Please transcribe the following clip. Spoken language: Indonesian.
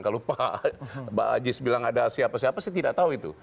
kalau pak ajis bilang ada siapa siapa saya tidak tahu itu